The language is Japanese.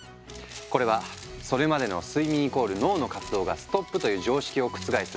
これはそれまでの「睡眠＝脳の活動がストップ」という常識を覆す